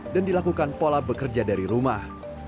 dan dilakukan pola bekerja dari rumah